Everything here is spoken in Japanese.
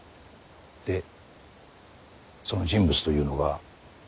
でその人物というのが。